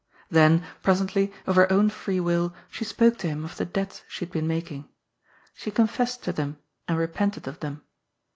Then, presently, of her own free will, she spoke to him of the debts she had been making. She confessed to thehi, and repented of them.